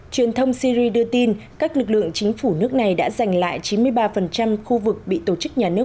truyền thông syri đưa tin các lực lượng chính phủ nước này đã giành lại chín mươi ba khu vực bị tổ chức nhà nước